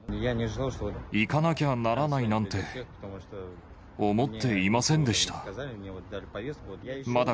行かなきゃならないなんて思っていませんでした。